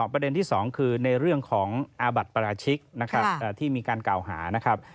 ประเด็นที่๒คือในเรื่องของอาบัติประชิกที่มีการกล่าวหา